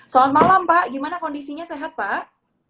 selamat malam pak gimana kondisinya sehat pak